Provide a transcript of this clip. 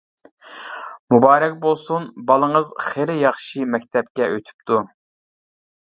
مۇبارەك بولسۇن، بالىڭىز خىلى ياخشى مەكتەپكە ئۆتۈپتۇ.